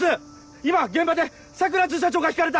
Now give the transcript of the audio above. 今現場で桜巡査長がひかれた！